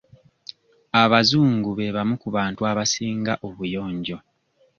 Abazungu be bamu ku bantu abasinga obuyonjo.